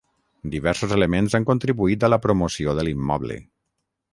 Diversos elements han contribuït a la promoció de l'immoble.